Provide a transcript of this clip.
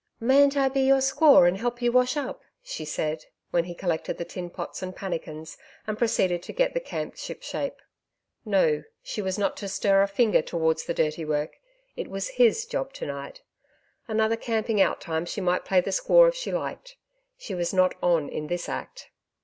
'Mayn't I be your squaw and help you to wash up?' she said, when he collected the tin pots and pannikins and proceeded to get the camp shipshape. No, she was not to stir a finger towards the dirty work. It was HIS job to night. Another camping out time she might play the squaw if she liked. She was not on in this act.